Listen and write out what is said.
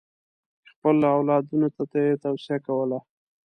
خپلو اولادونو ته یې توصیه کوله.